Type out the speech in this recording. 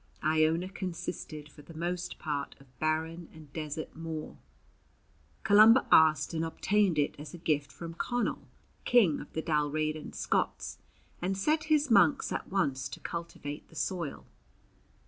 Iona consisted for the most part of barren and desert moor. Columba asked and obtained it as a gift from Conal, King of the Dalriadan Scots, and set his monks at once to cultivate the soil.